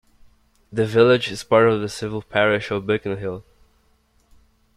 The village is part of the civil parish of Bickenhill.